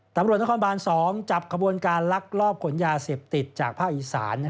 ตำรวจนครบาน๒จับขบวนการลักลอบขนยาเสพติดจากภาคอีสาน